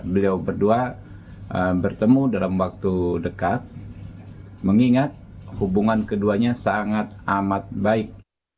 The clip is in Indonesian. beliau berdua bertemu dalam waktu dekat mengingat hubungan keduanya sangat amat baik